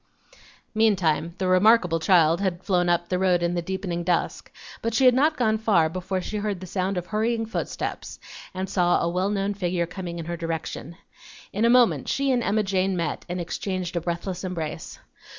Meantime the "remarkable" child had flown up the road in the deepening dusk, but she had not gone far before she heard the sound of hurrying footsteps, and saw a well known figure coming in her direction. In a moment she and Emma Jane met and exchanged a breathless embrace.